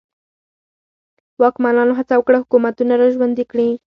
واکمنانو هڅه وکړه حکومتونه را ژوندي کړي.